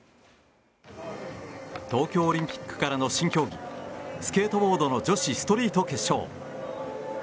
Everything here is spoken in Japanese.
東京オリンピックからの新競技スケートボードの女子ストリート決勝。